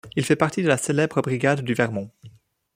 Il fait partie de la célèbre brigade du Vermont.